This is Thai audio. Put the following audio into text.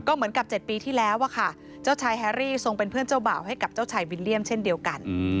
เหมือนกับ๗ปีที่แล้วอะค่ะเจ้าชายแฮรี่ทรงเป็นเพื่อนเจ้าบ่าวให้กับเจ้าชายวิลเลี่ยมเช่นเดียวกัน